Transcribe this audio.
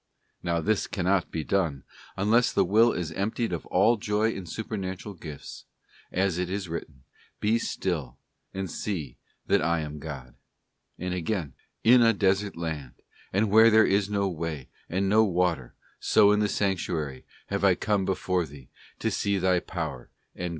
Now this cannot be done unless the will is emptied of all joy in © supernatural gifts, as it is written, ' Be still, and see that lam God,' t and again, 'In a desert land, and where there is no way, and n® water, so in the sanctuary have I come before Thee, to see Thy power and glory.